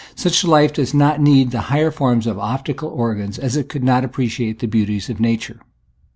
Such life does not need the higher forms of optical organs, as it could not appreciate the beauties of nature.